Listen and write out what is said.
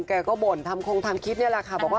คือเราไม่คิดว่าแบบโห